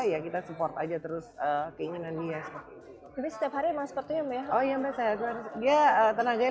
ya kita support aja terus keinginan dia tapi setiap hari emang sepertinya oh ya tenaganya